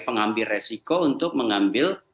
pengambil resiko untuk mengambil